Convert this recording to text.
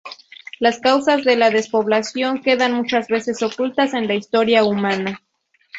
Las causas de la despoblación quedan muchas veces ocultas en la historia humana.